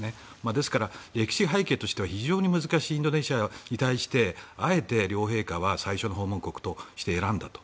ですから、歴史背景としては非常に難しいインドネシアに対してあえて両陛下は最初の訪問国として選んだと。